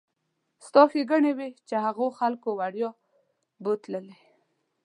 ستا ښېګڼې وي چې هغو خلکو وړیا بوتللې.